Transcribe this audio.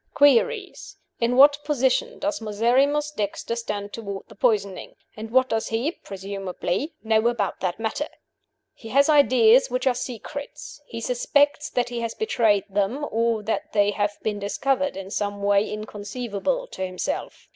Queries: In what position does Miserrimus Dexter stand toward the poisoning? And what does he (presumably) know about that matter? "He has ideas which are secrets. He suspects that he has betrayed them, or that they have been discovered in some way inconceivable to himself.